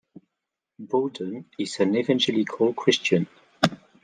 Bowden is an evangelical Christian.